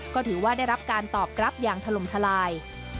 ก็ถือว่าได้รับการตอบรับอย่างถล่มทลาย